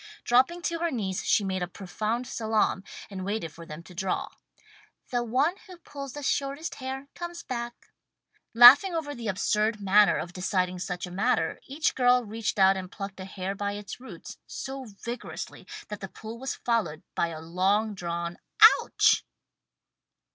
Dropping to her knees she made a profound salaam, and waited for them to draw. "The one who pulls the shortest hair comes back." Laughing over the absurd manner of deciding such a matter, each girl reached out and plucked a hair by its roots, so vigorously that the pull was followed by a long drawn "ouch!"